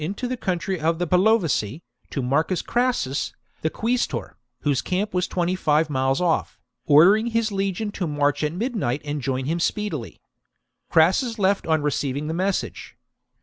i"to the country of the Bellovaci, to Marcus Crassus, the quaestor, whose camp was twenty five miles off, ordering his legion to march at midnight and join him speedily. Crassus left on receiving the message.